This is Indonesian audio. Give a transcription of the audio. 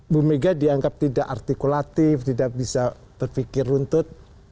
bumega dianggap tidak artikulatif tidak bisa berpikir runtut